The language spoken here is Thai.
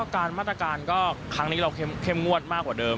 การมาตรการก็ครั้งนี้เราเข้มงวดมากกว่าเดิม